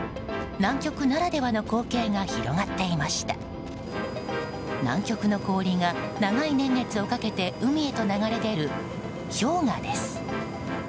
南極の氷が長い年月をかけて海へと流れ出る、氷河です。